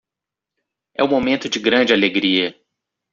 É um momento de grande alegria